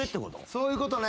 そういうことね。